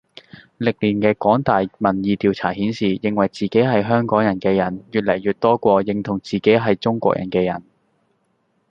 歷年嘅港大民意調查顯示，認為自己係香港人嘅人越來越多過認同自己係中國人嘅人。